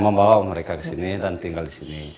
membawa mereka ke sini dan tinggal di sini